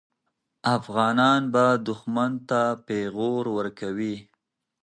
افغانان به دښمن ته پېغور ورکوي.